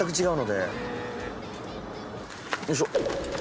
よいしょ。